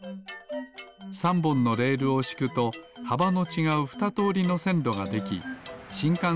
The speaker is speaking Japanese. ３ぼんのレールをしくとはばのちがうふたとおりのせんろができしんかん